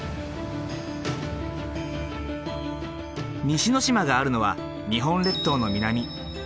西之島があるのは日本列島の南。